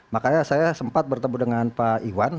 makanya saya sempat bertemu dengan pak iwan